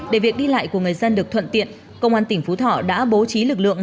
để việc đi lại của người dân được thuận tiện công an tỉnh phú thọ đã bố trí lực lượng